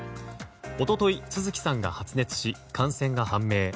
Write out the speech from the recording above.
一昨日、都築さんが発熱し感染が判明。